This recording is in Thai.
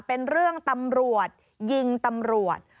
เป็นเรื่องตำรวจยิงตำรวจ